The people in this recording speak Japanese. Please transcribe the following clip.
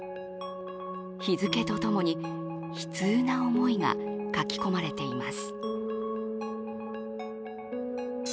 日付とともに悲痛な思いが書き込まれています。